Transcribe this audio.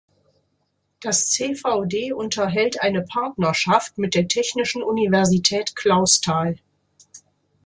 Das CvD unterhält eine Partnerschaft mit der Technischen Universität Clausthal.